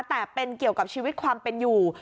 แต่เป็นเกี่ยวกับชีวิตความเป็นอยู่